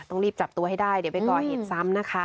ต้องรีบจับตัวให้ได้เดี๋ยวไปก่อเหตุซ้ำนะคะ